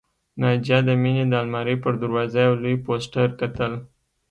ناجیه د مينې د آلمارۍ پر دروازه یو لوی پوسټر کتل